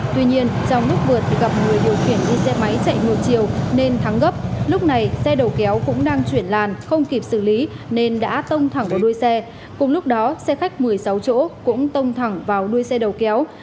tuy nhiên trong lúc vượt thì gặp người điều khiển đi xe máy chạy ngược chiều nên thắng gấp lúc này xe đầu kéo cũng đang chuyển làn không kịp xử lý nên đã tông thẳng vào đuôi xe cùng lúc đó xe khách một mươi sáu chỗ cũng tông thẳng vào đuôi xe đầu kéo